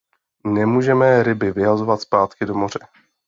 Nemůžeme ryby vyhazovat zpátky do moře.